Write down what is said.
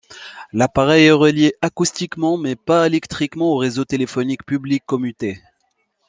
L'appareil est relié acoustiquement, mais pas électriquement au réseau téléphonique public commuté.